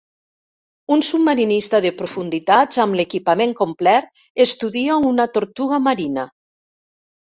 Un submarinista de profunditats amb l'equipament complert estudia una tortuga marina.